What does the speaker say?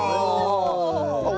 お！